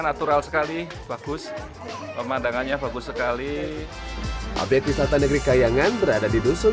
natural sekali bagus pemandangannya bagus sekali objek wisata negeri kayangan berada di dusun